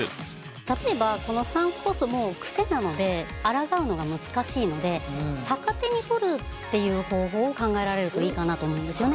例えばこのサンクコストも癖なのであらがうのが難しいので逆手に取るっていう方法を考えられるといいかなと思うんですよね。